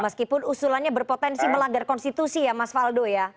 meskipun usulannya berpotensi melanggar konstitusi ya mas faldo ya